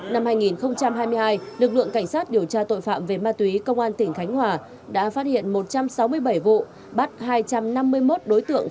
năm hai nghìn hai mươi hai lực lượng cảnh sát điều tra tội phạm về ma túy công an tỉnh khánh hòa đã phát hiện một trăm sáu mươi bảy vụ